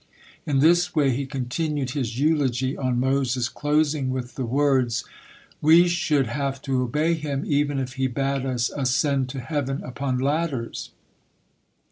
In this way he continued his eulogy on Moses, closing with the words: "We should have to obey him even if he bade us ascend to heaven upon ladders!"